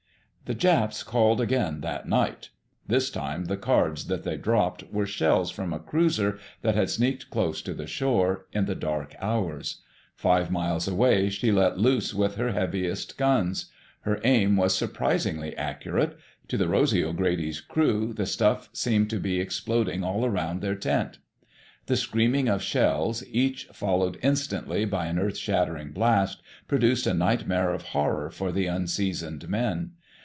The Japs called again that night. This time the "cards" that they dropped were shells from a cruiser that had sneaked close to the shore, in the dark hours. Five miles away, she let loose with her heaviest guns. Her aim was surprisingly accurate. To the Rosy O'Grady's crew, the stuff seemed to be exploding all around their tent. The screaming of shells, each followed instantly by an earth shaking blast, produced a nightmare of horror for the unseasoned men.